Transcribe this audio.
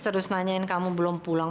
terus nanyain kamu belum pulang